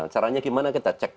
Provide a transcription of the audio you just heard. caranya gimana kita cek